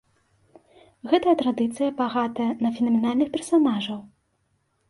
Гэтая традыцыя багатая на фенаменальных персанажаў.